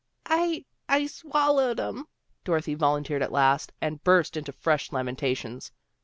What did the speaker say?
" "I I swallowed 'em," Dorothy volunteered at last, and burst into fresh lamentations.